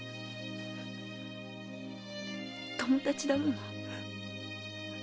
友達だもん。